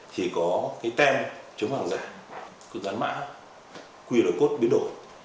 thì có cái tem chống hoa giả gắn mã qr code biến đổi